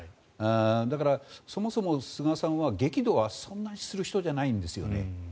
だから、そもそも菅さんは激怒はそんなにする人じゃないんですよね。